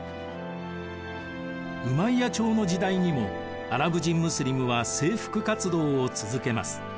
ウマイヤ朝の時代にもアラブ人ムスリムは征服活動を続けます。